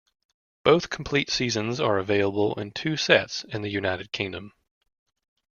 Both complete seasons are available in two sets in the United Kingdom.